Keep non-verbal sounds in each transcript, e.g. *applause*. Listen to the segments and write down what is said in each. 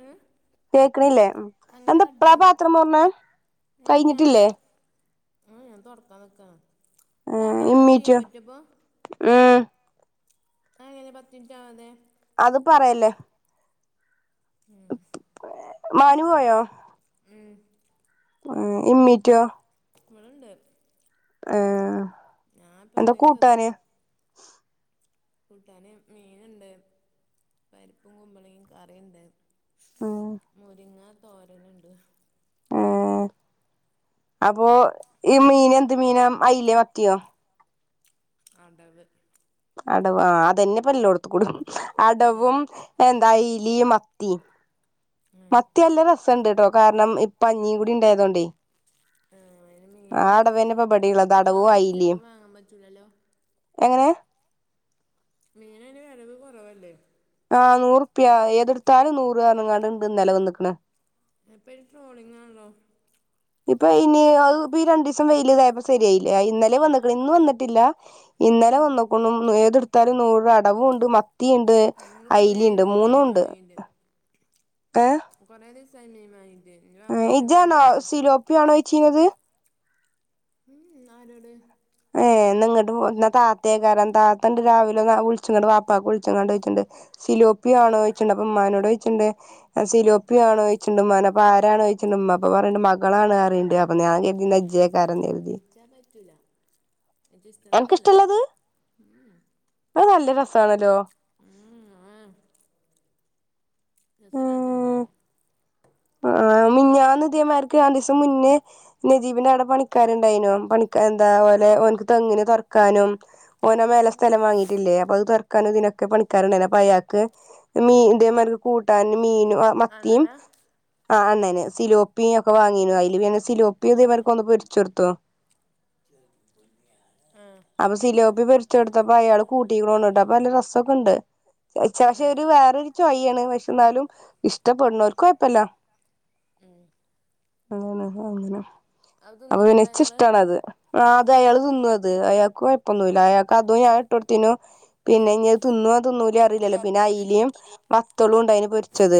ഉം കേക്കണില്ലേ അങ്ങനെ എന്ത ഇപ്പളാ കട്ടെയ്യാം പാത്രം മോർണേ കഴിഞ്ഞിട്ടില്ലേ ഉം ഞാൻ തുൊടക്കാൻ നിക്കാ ആ ഇമ്മിച്ച ഉം അങ്ങനെ പത്തിൻറ്റ് അവാതെ അത് പറയല്ലേ മാനു പോയോ ഉം ഉം ഇമ്മിറ്റൊ വ്ഡെണ്ട് ആഏ എന്താ എന്തേലും തിന്ന് കൂട്ടാന് കൂട്ടാന് മീൻണ്ട് പരിപ്പും കുമ്പോളെങ്ങി കറിണ്ട് ഉം *inaudible* ഏഹ് അപ്പൊ ഈ മുരിങ്ങന്റെ മീനെന്ത് കൊമ്പ് മീന വെട്ടി അയിലയോ മത്തിയോ? അടവ് അടവാതന്നെപ്പല്ലോടുത്തുംകുടും ഉം അടവും എന്താ ഈ ലീമത്തി ഉം മത്തിയല്ല രസണ്ട്ട്ടോ കാരണം ഇപ്പഞ്ഞീ കൂടി ഇണ്ടായതോണ്ടേ. ആ അയ്ന് ആ മീനയ്നിപ്പം അടവന്നെപ്പ പടിയൊള്ളത് ഇപ്പൊ അടവു വാങ്ങാ അയിലേം. ഇപ്പൊ വാങ്ങാൻ പറ്റൂലല്ലോ എങ്ങനെ? മീനയ്ന് വരവ് കൊറവല്ലേ. ആ നൂറുപ്യ ഏതെടുത്താലും നൂറ്പറഞ്ഞ്ങ്ങാണ്ട് ഇന്നലെ വന്ന്‌ക്കണ്. എപ്പയി ട്രോളിംങ്ങാണല്ലോ. ഇപ്പൊ ഇനി പ്പയി രണ്ടുസം വെയില് *unintelligible* ശരിയായില്ലേ ഇന്നലെ വന്നിക്കണ് ഇന്ന്‌ വന്നിട്ടില്ല. ഇന്നലെ വന്നോക്കുനു ഏതെടുത്താലും നൂറ് അടവുണ്ട് മത്ത് ത്തിയൊണ്ട് ഞങ്ങള് കൊറേ അയിലെണ്ട് ആയിനു മീൻ മൂന്നുണ്ട് വാങ്ങീട്ട് ഏ? *inaudible* മാപ്പള പറയും മീൻ ഇജാണോ വാങ്ങാൻ പറ്റൂല സിലോപ്പിയണോയിച്ചിന്നത്? ഉം ആരോട്? ഏ നിങ്ങോട്ട് പോരണ താത്തയാക്കാരം താ ത്തണ്ട് രാവിലെ ന വിളിച്ചുങ്ങാണ്ട്ചോയിച്ച്ണ്ട് വാപ്പ വിളിച്ചിങ്ങാണ്ട് ചോയിച്ചിണ്ട് സിലുപ്യയാണോയിച്ചണ്ട് അപ്പം ഉമ്മാനോട് ചോയിച്ചിണ്ട്. ആ സിലോപ്പിയ ആണോനോയിച്ചിണ്ട് ഉമ്മാനെ അപ്പ ആരാനോയിചിണ്ട്മ്മപ്പോ പറണ്ട് മകളാണ്ന്നറിയണ്ട് അപ്പൊ ഞാൻ വിചാരിച്ചു ന്നാ *unintelligible* എച്ചാൻ പറ്റൂല. ഇച്ച് ഇഷ്ടള്ളോനല്ല മീൻ എൻക്കിഷ്ടല്ലത് ഉം അത് നല്ല രസണല്ലോ. രസല്ലത്ത മീന. ആ മു ഞ്ഞാന്നു തിയെമാർക്ക് ണ്ടുസം മുന്നേ നജീബിന്റെ അവിടെ പണിക്കാരുണ്ടായിനു പണിക്ക എന്താ ഓലെ ഓൻക്ക് തെങ്ങിന് തൊറക്കാനും ഓനെ മേലേ ഉം സ്ഥലം വാങ്ങീട്ടില്ലേ അപ്പത് തൊ ക്കാനെങ്കിലൊക്കെ പണിക്കാരണ്ടായിന് അപ്പയാക്ക് മീന്റെ മാതിരി കൂട്ടാനും മീനും ആ മത്തിം അണ്ണനാ ആ ന്നേനെ സിലോപ്പിയക്കെ വാങ്ങിനു അയില് വീണിപ്പ സിലോപ്പിയോ ആരാ ദേവർക്കൊന്ന് പൊരിച്ചൊടുത്തോ ആ അപ്പൊ സിലോപ്പി പൊരിച്ചൊടുത്തപ്പോ അയാള് കൂട്ടികോണ്ടപ്പൊ നല്ല രസക്കെണ്ട്. ചച്ചാ ആ ഒരു വേറൊരു ചോയ് ആണ് പക്ഷെന്നാലും ഇഷ്ടപ്പെടുന്നവർക്കു കൊഴപ്പില്ല. ഉം അങ്ങനെ അങ്ങനെ അത് അപ്പൊന്നെ തിന്നുന്നുണ്ടോ അയാള് എനിച്ചിഷ്ടണത്. തയാള് തിന്നത് അയാൾക്കൊഴപ്പൊന്നുല്ല അയാൾക്ക് അതോ ഞാൻ ഇട്ട് കൊടുത്തിനോ പിന്നെ ന്നത് തിന്നോ തിന്നുലാറിയില്ലല്ലോ പിന്നെ അയിലയും നത്തളുണ്ടായിന് പൊരിച്ചത്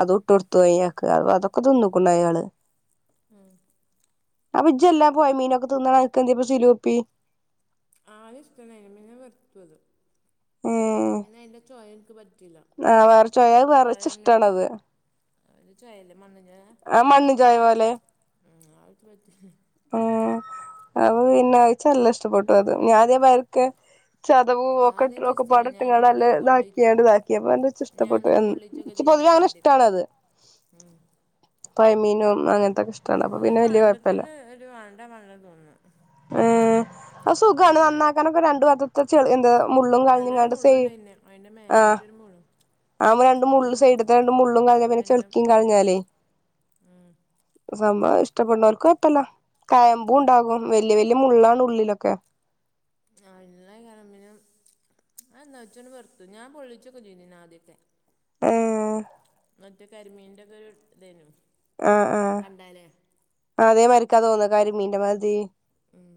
അതു തൊയാക്ക് അ അതൊക്കെ തിന്നുക്കണ്ടയാള്. ഉം അപ്പജല്ലാം പോയി മീനൊക്കെ തിന്നണ *unintelligible* സിലുപ്പി ആദ്യഷ്ട്ടോണ്ടായിന് പിന്നെ വേർതുത് ഏ പിന്നയിന്റെ ചെവനിക്ക് പറ്റ് ആ വേറെച്ചോയാത് വെറച്ചിഷ്ട്ടാണോത്? അതിന് ചെവയല്ലപ്പ്‌ ആ മണ്ണ് ചോയ പോലെ. ആ ആയെനിക്ക് പറ്റില്ല. ഉം അപ്പ പിന്നെഴച്ചല്ലഷ്ടപ്പെട്ടു അത് ഞാദ്യ പെർക്ക ചതവ് ഓക്കെ ആദ്യം ഒക്കെ ചിസ്തിനു ഞാൻ എന്നിട്ട് പടട്ടങ്ങാണ്ടല്ലേ ഇതാക്കിയാണ്ട് പൊള്ളിച്ചും ഇതാക്കിയപ്പ ഞാൻ എന്തച്ചഷ്ടപ്പെട്ടു. എന്നിട്ട് പൊള്ളിച്ചൊക്കെ പൊതുവെ ചെയ്തിന് ആദ്യമൊക്കെ അങ്ങനെഷ്ട്ടാണത്. ഉം. പൊയമീനും അങ്ങനത്തൊക്കെഷ്ട്ടാണ് അപ്പ പിന്നെ വല്ല്യ കൊയപ്പല്ല. ജ് വാണ്ട പറഞ്ഞെൻ തോന്നു. *unintelligible* അസുഖാണ് നന്നാക്കാനൊക്കെ രണ്ടു വാതത്തെ ചെളി എന്താ മുള്ളും നല്ലൊരു കളിഞ്ഞുങ്ങാണ്ട് തേ മുള്ളുണ്ട് പിന്നെ അതിൻ്റെ ആ മേലായിട്ടൊരു മുള്ളും ആ രണ്ട് മുള്ളും സൈഡ്ത്തെ രണ്ട് മുള്ളും കളഞ്ഞാൽ പിന്നെ അതിൻ്റെ ചെളക്കിയും ഉം, കളഞ്ഞാലേ ഉം, സംഭാ ഇഷ്ടപ്പെടുന്നവർക്ക് കൊഴപ്പമില്ല ആ കയമ്പുണ്ടാകും വല്യ വല്യ മുള്ളാണ് ഉള്ളിലൊക്കെ *unintelligible* ആ എന്നാ ഇജ്ജ് വറുത്തോ ഞാൻ പൊള്ളിച്ചൊക്കെ തിന്നിനി ആദ്യക്കെ ഉം മറ്റേ കരിമീൻ്റെ ഒക്കെ ഇതായിരുന്നു ആഹ ആഹ അതേമാരിക്കാ തോന്ന കരിമീന്റെ മാതിരി ഉം.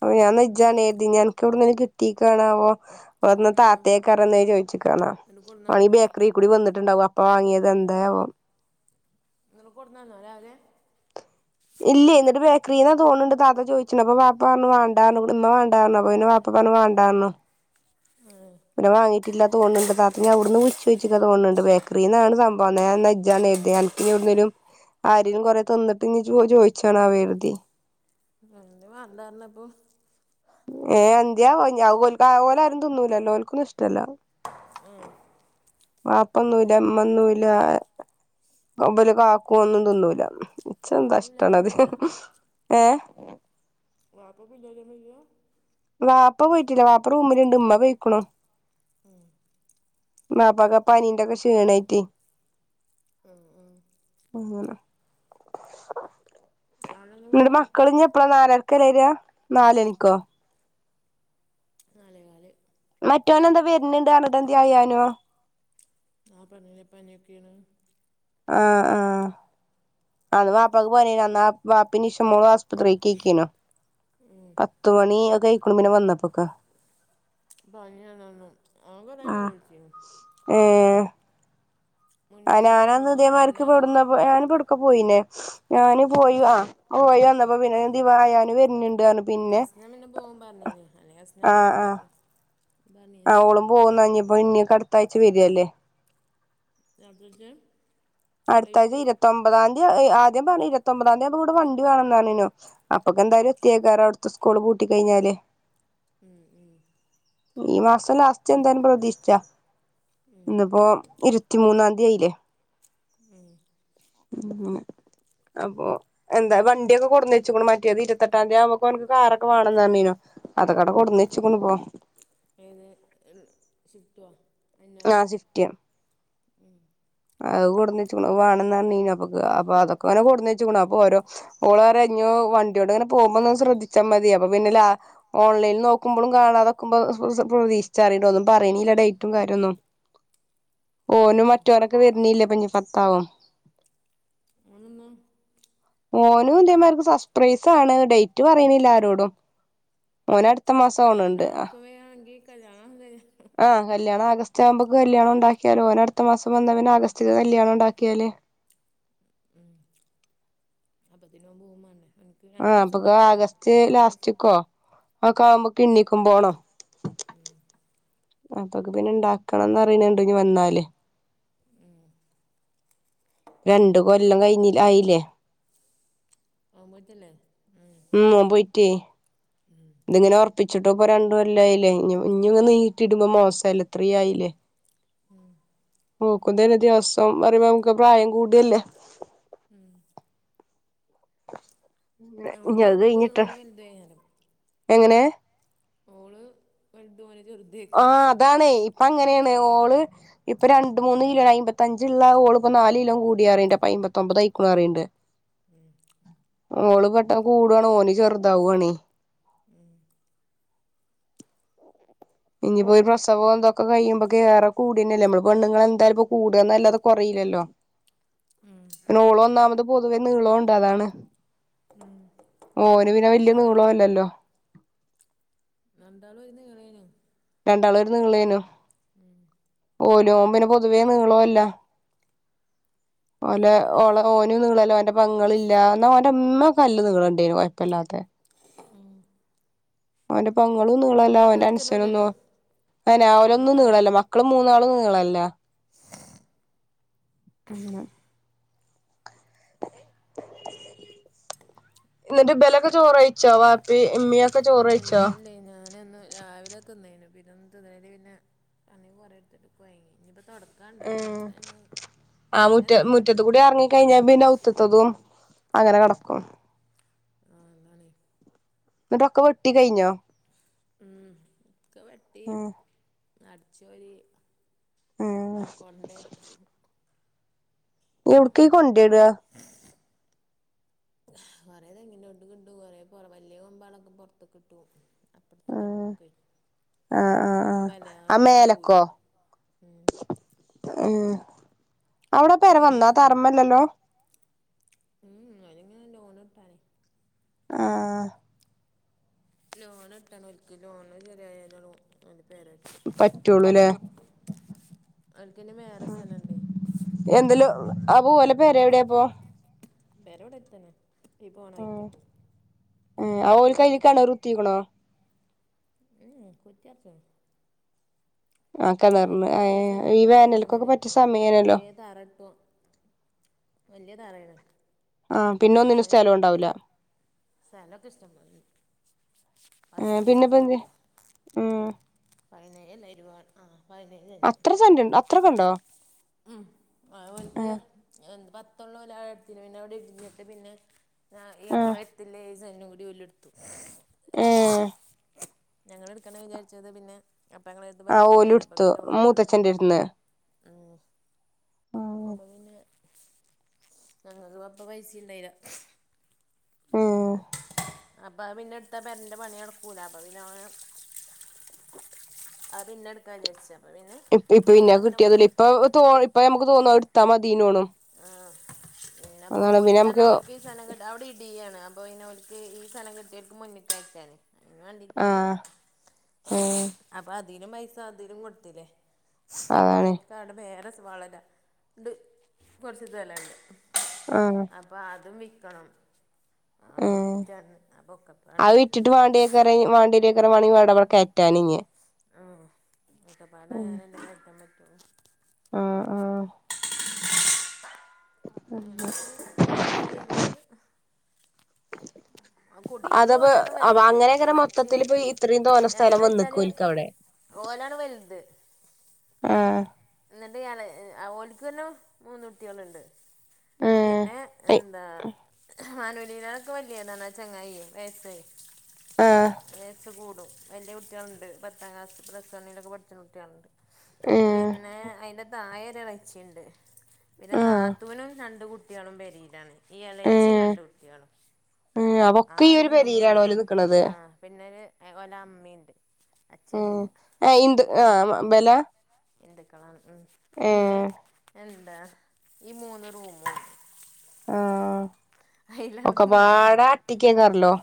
അപ്പൊ ഞാൻ ഇജ്ജാണെന്ന് കരുതി അനക്കെവിടുന്നേം കിട്ടീക്കാണാവോ വന്ന എന്തോ താത്തയ്ക്കാരം എന്ന് ചോച്ചിക്കന്നാ എന്നിട്ട് കൊടുന്നോ വന്നമെങ്കില്‍ ബേക്കറി കൂടി വന്നിട്ടുണ്ടാവും വാങ്ങിയത് എന്തായാവം നിങ്ങൾ കൊടുന്നതാണോ രാവിലെ ഇല്ല എന്നിട്ട് ബേക്കറീന്നാ തോന്നുന്നുണ്ട് താത്ത ചോദിച്ചിന്ന് അപ്പൊ വാപ്പ പറഞ്ഞു വാണ്ട ഇമ്മ വാണ്ട പറഞ്ഞു അപ്പൊ പിന്നെ വാപ്പ അപ്പൊ പറഞ്ഞു വണ്ടാന്ന് പിന്നെ വാങ്ങീട്ടില്ലാ തോന്നുന്നുണ്ട് താത്ത ഇനി അവിടുന്ന് വിള ചോച്ചിക്കാ തോന്നുന്നുണ്ട്‌ ബേക്കറിന്നാണ് സംഭവം ഞാനിന്നാ ഇജ്ജാണെന്നി കരുതിയത് എനക്ക് ഇനി എവിടുന്നേലും ആരെങ്കിലും കൊറെ തിന്നിട്ട് ഇജ്ജ് പോയി ചോദിച്ചാണെന്ന് കരുതി എന്ത് വേണ്ടായിരുന്നപ്പോ ഏ എന്ത്യാ ഓല് ആരും തിന്നൂലല്ലോ ഓൽകൊന്നും ഇഷ്ടല്ല ഉം വാപ്പ തിന്നൂല്ല ഇമ്മ തിന്നൂല്ല ഇവലെ കാക്കുവൊന്നും തിന്നൂല ഇച്ച് വാപ്പ എന്താ ഇഷ്ടമാണ് പിള്ളേരം അത് വയ്ക്കാം ഏ വപ്പ തിന്നൂലെ വാപ്പ പോയിട്ടില്ല വാപ്പ റൂമിലുണ്ട്‌ ഉമ്മ പോയിക്ക്ണു വാപ്പക്ക് പനിന്ററക്കെ ക്ഷീണായിട്ട് ഉം ഉം അങ്ങനെ ആളെന്ന് ഇന്നട്ട് കൂട്ടാം മക്കൾഞ്ഞ എപ്പഴാ വരുക നാലരക്കല്ലെ വര നാലണിക്കോ നാലേകാൽ മറ്റോന് എന്താ വരുന്നുണ്ട് പറഞ്ഞിട്ട് എന്തായി അനോ ആ പറഞ്ഞവൻ പനിയൊക്കെയാണ് ആഹ് ആഹ അത് വാപ്പാക്ക് പനി നി വാപ്പിനി ഇഷമോള *unintelligible* പത്തുമണി ഒക്കെ ആഴിക്കുണു പിന്നെ വന്നപ്പൊക്കെ ആഹ് *unintelligible* ആ മുന്നാസിനെ ഞാനാന്ന് വേണം പറഞ്ഞു ഇതേമന്തിരിക്ക് മുന്നാസൊക്കെ അവിടെ കൊടുന്നപ്പോ ഉണ്ട് ഞാനന്ന് എവിടേക്കാ പോയിന്നെ ഞാൻ പോയി ആ പോയി വന്നപ്പോ പിന്നെ ദായാനും വരുന്നുണ്ട് പറഞ്ഞു പിന്നെ അസ്ന പിന്നെ പോകും പറഞ്ഞീനി അല്ലെങ്കില്‍ അസ്ന അന്റെടുത്തു ആ അവളും പോകുന്നഞ്ഞപ്പോ ഇണി അടുത്താഴ്ച്ച വരില്ലേ *unintelligible* അടുത്താഴ്ച ഡേറ്റ് ഇരുത്തൊപതാംതി ആദ്യം പറഞ്ഞീനി ഇരുത്തൊപതാംതി ആകുമ്പോ ഇവിടെ വണ്ടി വേണം പറഞ്ഞിരുന്നു അപ്പൊക്കെ എന്തായാലും എത്തിയേക്കാറും അവിടുത്തെ സ്കൂള് പൂട്ടി കഴിഞ്ഞാല് ഉം ഉം ഈ മാസം ലാസ്റ്റ് എന്തായാലും പ്രതീക്ഷിച്ചാ ഉം ഇന്ന്പ്പോ ഇരുപത്തിമൂന്നാം ആയിലെ ഉം ഉം ഉം അപ്പൊ എന്താ വണ്ടിയൊക്കെ കൊടുന്നച്ച്ക്കുന്നു മറ്റെത് ഇരുപത്തെട്ടാം തിയതി ആവുമ്പോൾ അവനക്ക് കാറൊക്കെ വേണെന്ന് പറഞ്ഞിരുന്നു ഉം ഏത് സിഫ്റ്റോ ആ സിഫ്റ്റ്‌ വണം ന്ന് പറഞ്ഞാരുന്നു. അപ്പൊ അതൊക്കെ കൊണ്ടന്നച് ക്കണ് ഓൾ പറ യ ഞ്ഞ വണ്ടി അങ്ങനെ പോകുമ്പോ ശ്രദ്ധിച്ചാ മതി അപ്പൊ പിന്നെ ഓൺലൈനിൽ നോക്കുമ്പോളും കാണാതക്കുമ്പോ പ്രതീക്ഷിക്ക ച്ചറ ഒന്നും പറയണില്ല ഡേറ്റും കാ ആ ഓനു മറ്റോരൊക്കെ വരണില്ലേ പഞ്ഞി പത്താവു ഓനെന്ന ഓനും ഇതേമാർക്ക് സർപ്രൈസാണ് ഡേറ്റ് പറയണില്ല ആരോടും ഓനടുത്ത് ടുത്ത മാസം ആണണ്ട് അ കല്യാണന്തായി ആഹ് കല്യാണം ആഗസ്റ്റ് ആകുമ്പക്ക് കല്യാണം ഉണ്ടാക്കിയാൽ കല്യാണം ഓനടുത്ത മാസം വന്നാ പിന്നെ ആഗസ്റ്റ് കല്യാണം ഉണ്ടാക്കിയാലേ ഉം അപ്പത്തിനോം പോവും മേണ്ടേ ആ അപ്പൊ ആഗസ്റ്റ് മാസം ലാസ്റ്റക്കോ ആക്കെ ആവുമ്പോ കിണ്ണിക്കും പോണം ഉം അപ്പൊക്കെ പിന്നെ ഇണ്ടാക്കണംന്ന് അറിയുന്നണ്ട ഇഞ്ഞി വന്നാലേ ഉം രണ്ടു കൊല്ലം കഴിഞ്ഞിൽ ആയില്ലേ ആവ്മോൽത്തന്നെ ഉംഓ പോയിറ്റേ ഉം ഇതിങ്ങനെ ഉറപ്പി ഇച്ചിട്ട ഇപ്പ രണ്ട് കൊല്ലായില്ലേ ഇഞ്ഞു ഇഞ്ഞുംഇങ്ങ നീട്ടി ഇടുമ്പോ മോശല്ലെ ഇത്രയും ആയില്ലേ ഉം നോക്കുംനെ ദിവസം പറയുമ്പോ നമുക്ക് പ്രായം കൂടല്ലേ ഉം ഇനി അവന് അത് ചെറുത് കഴിഞ്ഞിട്ട് ഓള് വലുത് ഏയ്ക്കാനം എങ്ങനെ ഓള് വല്ത് പോ ആ അതാണ് ഇപ്പ അങ്ങനെയാണ് ഓള് ഇപ്പൊ രണ്ട് മൂന്ന് കിലോ അമ്പത്തഞ്ചുള്ള ഓള് ഇപ്പ നാല് കിലോ കൂടി പറയ്ണ്ട്. അപ്പൊ അയ്മ്പത്തൊൻപത് ആയിരിക്കും കും പറയന്ന്ണ്ട് ഉം ഓള് പെട്ടം കൂടണ ഓന് ചെറുതാവുവാണ ഉം ഇനിയിപ്പോൊ ഒരു പ്രസവം എന്തൊക്കെ ഇഞ്ഞിപ്പോ പ്രസവ ഇതൊക്കെ കഴിയുമ്പോ കേറെ കൂടന്നല്ലേ നമ്മള് പെണ്ണങ്ങൾ എന്താലും ഇ കൂടുകന്നല്ലാതെ കൊറ യില്ലല്ലോ ഉം പിന്നെനോളം ഒന്നാമത് പൊതുവെ നീളം ഉണ്ട് അതാണ് ഉം ഓന് മൂന്ന് പിന്നെ വല്യ രണ്ടാളും ഒരു നീളാണ് നീളല്ലല്ലോ രണ്ടാളും ഒരുനീളേണന രണ്ടാളും ഒരു നിളേനു എ പോ ഓ പിന്നെ പൊതുവേ നീളോല്ല ഓല അതാണ് അങ്ങനെ ഓള ഓനും നിളല്ല ഓന്റെ പെങ്ങൾ ഇല്ല എന്നാഓന്റെ ഉമ്മക്കെ നല്ല നീളണ്ടേയ്ന് കൊഴപ്പല്ലാത്ത ഉം ഓന്റെപ്പം ങ്ങളും നീളല്ല ഓന്റെ ചെറുക്കനും ഇല്ലല്ലോ അനുസനൊന്നും അന ഓന് അവനൊന്നും കുറവാ നീളല്ല മക്കളും മൂന്നാളും നീളല്ല ങ്ങനാണ് *inaudible* എന്നിട്ട് ബലൊക്കെ ചോറ്ഴിച്ചോ വാപ്പിം ഇമ്മി ആ ഇല്ല ഇല്ലേ ഞാനെന്നും രാവിലെ തിന്നേനു പിന്നന്ത് തുകഴിഞ്ഞ് പിന്നെ പണികൊറെ എടുത്തിട്ട് കുയങ്ങി ഇനി ഇപ്പ തുടക്കാണ്ട് ഉം തുടക്ക ഴിഞ്ഞ ആ മുറ്റ മുറ്റത്ത്കൂടി ഇറങ്ങി കഴിഞ്ഞാൽ പിന്നെഔത്തത്തതും അങ്ങനെ ആഹ് കിടക്കും ആഹ് അതാണ് എന്നിട്ടൊക്കെ വെട്ടി കഴിഞ്ഞോ ഉം ഇക്കെ വെട്ടി ഉം അടിച്ച് വാരി അ ന എവിടക്ക കൊണ്ടയിട കുറെേതെങ്ങനോട്ട് കിട്ട കൊറെ വലിയ കൊമ്പളൊക്കെ പുറത്തൊക്കെ കിട്ടും അപ്പടത്തെ ഉം തൊടുക്ക ആ ആ ആ കൊമ്പല്ല ആ ആണ ഇങ്കി പൂര ഉം ആഹ അവിടെ പേര വന്നാ മുരിങ്ങാക്കൊമ്പ് തറമല്ലല്ലോ ഉം മുരിങ്ങ ലോൺ ഇട്ടാണേ ആഹ ലോൺ ഇട്ടാണ് എക്ക് ലോണ് ചെരി പറ്റുള്ളൂല്ലേ പറ്റു അവൾക്ക്ന്നെ വേറെ സ്ഥലണ്ട ആ പോൂല പേരെ എവിടെയാപ്പ ബേരോഓടെ ഇത്തന ഈ ഉം പോണക്കെ ഉം ആ ഓൽക്ക് അയില് ഈറോട്ടിൽ കിണറ് തന്നെ കുത്തിക്കണോ ഉം കൊത്തിയാത്ത ആ കിണറിന് അവർക്ക് ഏ പൈസ ഈ അല്ലതാന അവന വേനൽക്കൊക്കെ ഇങ്ങനെ പറ്റിയ വക്കണം സമയാണല്ലോ വലിയ താറ ഇട്ടു വലയ താറയാണ് ആഹ പിന്നെ ഒന്ന ഇന്ന സ്ഥലവുംണ്ടാവില്ല സലോ കിസ്റ്റമ ആ പിന്നെപ്പൊ എന്ത് ഉ പതിനനേല്ലരുപ ആ പതിനേഴ് അത്ര സെന്റ്ണ്ട് അത്രക്കെ ഉണ്ടോ ഉ അ അവനിക്ക് എന്ത് പത്തള്ളം ഒരു ആടുത്തിന് പിന്നെ അവിടെ ഇടിഞ്ഞിട്ട് പിന്നെ ഞ ആഹ് ഞങ്ങളെ എത്തില്ല ഏജ തും കൂടി വല്ല എടുത്തു ആ ഞങ്ങ എടുക്കണ വിചാരിച്ചത് പിന്നെ അപ്പം ഞങ്ങളെ അടുത്ത് പൈസ ആഹ് ഓല ഉണ്ടായില്ല അപ്പം ഇടുത്തു പിന്നെ ഓല് എടുത്തു മൂത്തച്ഛെന്റെ ഇരുന്ന് ആമ്മവിന്ന ഞങ്ങരു അപ്പ പൈസണ്ടൈത ഉം അ അപ്പ പിന്നെ എടുത്ത പെരന്റെ പണി നടടക്കൂല അപ്പ പിന്നെ അത് പിന്നെ എടുക്കാ വിചാരിച്ച ഇ ഇപ്പ പിന്നെ കിട്ടിയ ഇപ്പ ഇപ്പൊ നമുക്ക് തോന്നു എത്താ മതിീോണം പിന്നെ അപ്പോ പിന്നെ ഓലിക്കാരാ നമുക്ക് ഓലിക്ക സ്ഥലം അവിടെ ഇടുകയാണ് അ അപ്പൊ ഇതിനോക്ക് ഈ സ്ഥലം കിട്ടിയയിട്ട് മുന്നിട്ട അയച്ചാണ് അ കണ്ടിട്ട പോല ആഹ് ഉം അപ്പൊ അതിലും പൈസ അതിലും കൊടുത്തില്ലേ പിന്നെ അതാണ് ഒക്ക് അവിടെ വേറെ വളരാ ഉണ്ട് കുറച്ച് ഇതു വല ഉണ്ട് ആഹ് അപ്പൊ അതും വിൽക്കണം ആ ഉം വിറ്റാണ് അപ്പൊക്കെപ്പാണ് അര വേണെങ്കിൽവിടെവിടെ കറ്റാനി ഉം ഒക്കെ പാടാാനെ എന്ത കട്ടാൻ പറ്റും ആഹ ആഹ അപ്പൊ എ അതാണ് വേകണുന്നത് അതപ്പോൊ അൊ അങ്ങനെ അങ്ങനെ എളച്ചി മൊത്തത്തിൽ പോയി ഇത്രയും തോന്ന എങ്ങനെ സ്ഥലം വെച്ചാല് വന്നക്കോരിക്ക അവിടെ ഓലാണ് വലുത് ആഹ എന്നിട്ട് ഓലിക്ക് വന്ന മൂന്ന കുട്ടികളുണ്ട് ഏഹ് പിന്നെ എന്താ മാനൂലിയിലൊക്കെ വലിയ എന്താ ചങ്ങായി വേസ്േ ഏഹ് ആഹ് കൂ വലിയ കുട്ടികളുണ്ട് പത്താം ക്ലാൊക്കെ പഠിച്ച കുട്ടികളുണ്ട് ഏഹ് പിന്നെ അയിന്റെ തായരെ ഇളച്ചിുണ്ട് പിന്നെ ആഹ് നാത്തുവിനും രണ്ട കുട്ടികളും പെരലാണ് ഈ ഇളച്ചി രണ്ട് കുട്ടികളും ഉ അവൊക്കെ ഈ ആകെ ഒരു മൂന്ന് പരിയിലാണോ ഓല റൂം നൽിക്കണുന്നത് ആ പിന്നൊരു ഓലെ അമ്മീ ണ്ട് ഉം ആ ഇന്ത് ആ ബല എന്ത്ക്കണം പിന്നെ ഏഹ് എന്താ ഈ മൂന്ന് റൂമും ആഹ ഇത് ഒക്കെപാട മുഴുവൻ ആട്ടിക്ക് എടങ്ങേറ്ല്ലോ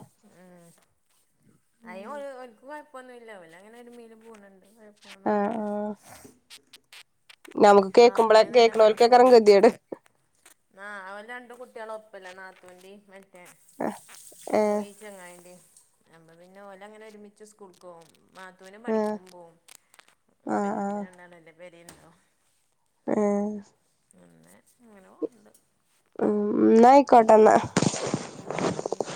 അയിന് ഒര് ഒരിക്കും കൊയപ്പൊന്നുല്ലാ. പിന്നെ അങ്ങനെ ഒരുമേല് പോകുന്നുണ്ട്. ആഹ് ആഹ് *unintelligible* നമുക്ക് കേൾക്കുമ്പോളെ കേക്കണോരിക്കാകും പണിക്കോവും ഗതികേട്. ആ അവൻ രണ്ട് കുട്ടികള് ഒപ്പല്ലേ നാത്തൂന്റേം മറ്റേ ഏഹ് ചങ്ങായിന്റേം അ പിന്നെ ഓലങ്ങനെ ഒരുമിച്ച് സ്കൂൾക് പോകും. നാത്തൂനും ഏഹ് പണിക്കും പോവും ആഹ് പിന്നെ പിന്നെണ്ടണോ എന്റെ പേരെന്നുള്ളു ഏ പിന്നെ ഇങ്ങനെ പോന്നുണ്ട് ഉം ന്നായിക്കോട്ടെന്നാ. അങ്ങനെയൊക്കെയാണ്